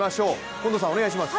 近藤さん、お願いします。